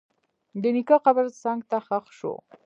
د نیکه قبر څنګ ته ښخ شو.